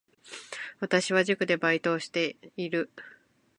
私は塾でバイトをしている